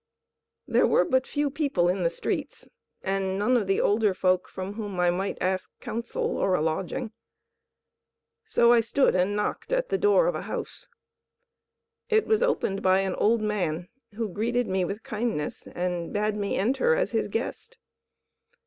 There were but few people in the streets, and none of the older folk from whom I might ask counsel or a lodging; so I stood and knocked at the door of a house. It was opened by an old man, who greeted me with kindness and bade me enter as his guest.